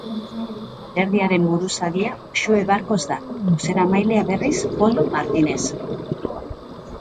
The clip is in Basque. Alderdiaren buruzagia Uxue Barkos da, bozeramailea berriz Koldo Martinez.